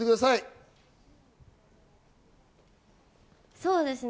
そうですね。